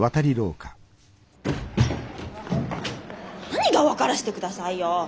何が「分からせてください」よ！